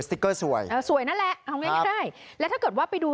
ติ๊กเกอร์สวยเออสวยนั่นแหละเอาง่ายง่ายแล้วถ้าเกิดว่าไปดู